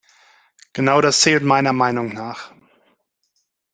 Genau das zählt meiner Meinung nach.